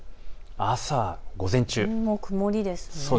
朝、午前中、曇りですね。